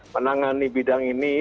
menangani bidang ini